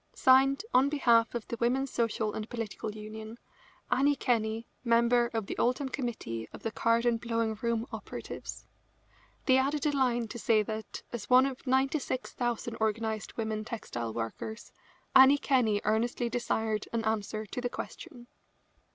Signed, on behalf of the Women's Social and Political Union, Annie Kenney, member of the Oldham committee of the card and blowing room operatives." They added a line to say that, as one of 96,000 organised women textile workers, Annie Kenney earnestly desired an answer to the question.